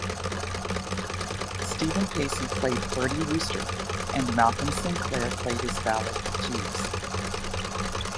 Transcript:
Steven Pacey played Bertie Wooster and Malcolm Sinclair played his valet Jeeves.